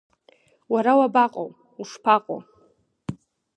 Уара уабаҟоу, ушԥаҟоу?